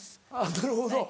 なるほど。